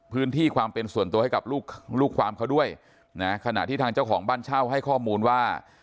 พื้นที่ความเป็นส่วนตัวให้กับลูกลูกความเขาด้วยนะขณะที่ทางเจ้าของบ้านเช่าให้ข้อมูลว่า